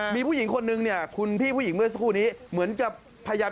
มีผู้หญิงคนนึงเนี่ยคุณพี่ผู้หญิงเมื่อสักครู่นี้เหมือนกับพยายาม